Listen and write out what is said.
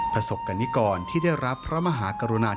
ประสบกัณฑิกรที่ได้รับพระมหากรณาธิคุณ